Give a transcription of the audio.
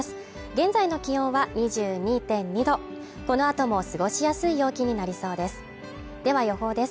現在の気温は２２．２度この後も過ごしやすい陽気になりそうです。